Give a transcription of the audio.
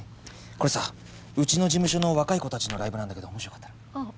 これさうちの事務所の若い子たちのライブなんだけどもしよかったら。